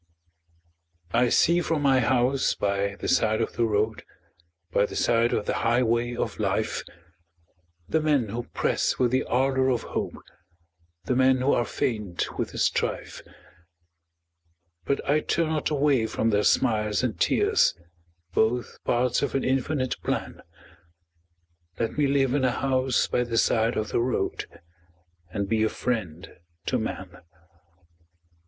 I see from my house by the side of the road By the side of the highway of life, The men who press with the ardor of hope, The men who are faint with the strife, But I turn not away from their smiles and tears, Both parts of an infinite plan Let me live in a house by the side of the road And be a friend to man.